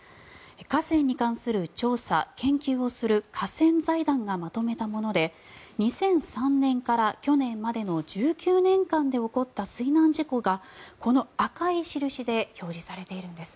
河川に関する調査・研究をする河川財団がまとめたもので２００３年から去年までの１９年間で起こった水難事故がこの赤い印で表示されているんです。